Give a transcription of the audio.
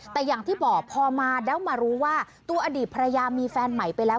แต่อย่างที่บอกพอมาแล้วมารู้ว่าตัวอดีตภรรยามีแฟนใหม่ไปแล้ว